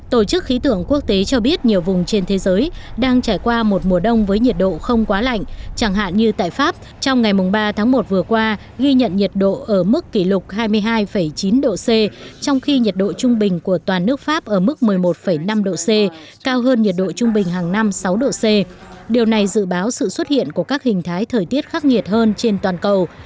tổ chức khí tượng quốc tế cho biết nhiều vùng trên thế giới đang trải qua một mùa đông với nhiệt độ không quá lạnh chẳng hạn như tại pháp trong ngày ba tháng một vừa qua ghi nhận nhiệt độ ở mức kỷ lục hai mươi hai chín độ c trong khi nhiệt độ trung bình của toàn nước pháp ở mức một mươi một năm độ c cao hơn nhiệt độ trung bình hàng năm sáu độ c điều này dự báo sự xuất hiện của các hình thái thời tiết khắc nghiệt hơn trên toàn cầu